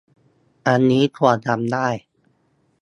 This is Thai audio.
อันนี้ควรทำได้